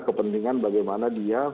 kepentingan bagaimana dia